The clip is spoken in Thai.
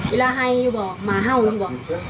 อิระไห้อยู่บ่หมาเห่าอยู่บ่